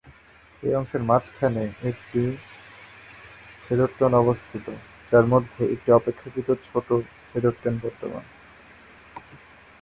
এই অংশের মাঝখানে একটি ম্ছোদ-র্তেন অবস্থিত যার মধ্যে একটি অপেক্ষাকৃত ছোট ম্ছোদ-র্তেন বর্তমান।